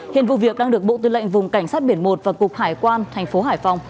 hiện vụ việc đang được bộ tư lệnh vùng cảnh sát biển một và cục hải quan thành phố hải phòng